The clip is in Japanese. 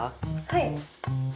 はい。